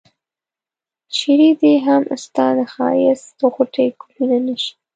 چرې دي هم ستا د ښایست غوټۍ ګلونه نه شي.